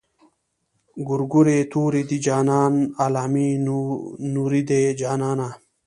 ګورګورې تورې دي جانانه علامې نورې دي جانانه.